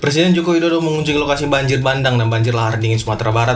presiden joko widodo mengunjungi lokasi banjir bandang dan banjir lahar dingin sumatera barat